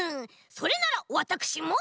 それならわたくしも！